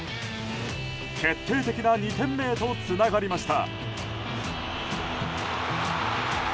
決定的な２点目へとつながりました。